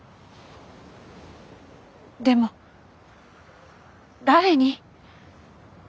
でも誰に？